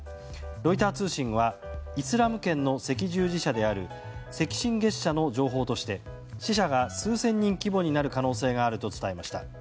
ロイター通信はイスラム圏の赤十字社である赤新月社の情報として死者が数千人規模になる可能性があると伝えました。